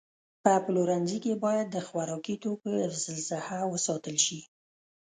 په پلورنځي کې باید د خوراکي توکو حفظ الصحه وساتل شي.